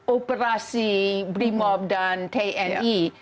operasi brimob dan tni